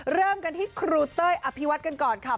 เริ่มกันที่ครูเต้ยอภิวัตกันก่อนค่ะ